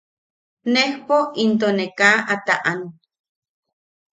Nejpo into ne kaa a taʼan.